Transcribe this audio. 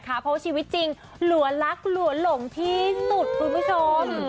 เพราะว่าชีวิตจริงหลัวรักหลัวหลงที่สุดคุณผู้ชม